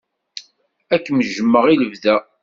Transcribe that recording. Ad kem-jjmeɣ i lebda.